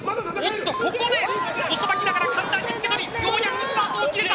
ここで、遅咲きながら神田味付のりようやくスタートを切れた！